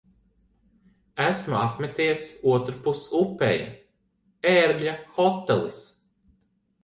Esmu apmeties otrpus upei. "Ērgļa hotelis".